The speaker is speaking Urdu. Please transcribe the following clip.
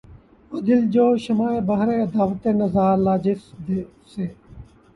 وہ دل جوں شمعِ بہرِ دعوت نظارہ لا‘ جس سے